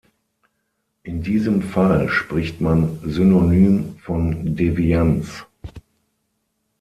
In diesem Fall spricht man synonym von Devianz.